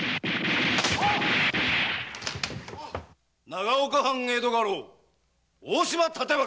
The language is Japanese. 長岡藩江戸家老・大島帯刀！